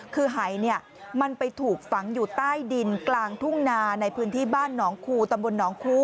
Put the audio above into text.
คือหายมันไปถูกฝังอยู่ใต้ดินกลางทุ่งนาในพื้นที่บ้านหนองคูตำบลหนองคู